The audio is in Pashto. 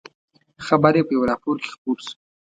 خبر یې په یوه راپور کې خپور شو.